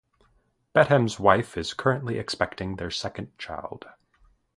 Betham's wife is currently expecting their second child.